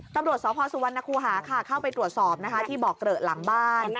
ตำรวจสพสุวรรณคูหาเข้าไปตรวจสอบที่บอกเกลอะหลังบ้าน